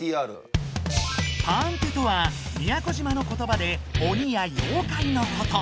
「パーントゥ」とは宮古島のことばで鬼や妖怪のこと。